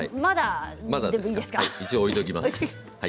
一応、置いておきます。